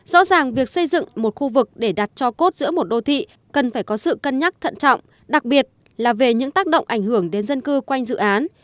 rõ ràng việc xây dựng một khu vực để đặt cho cốt giữa một đô thị cần phải có sự cân nhắc thận trọng đặc biệt là về những tác động ảnh hưởng đến dân cư quanh dự án